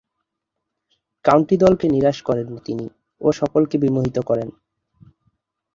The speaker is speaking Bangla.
কাউন্টি দলকে নিরাশ করেননি তিনি ও সকলকে বিমোহিত করেন।